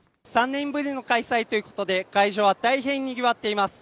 ３年ぶりの開催ということで会場は大変賑わっています。